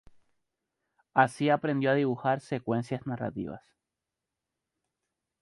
Así aprendió a dibujar secuencias narrativas.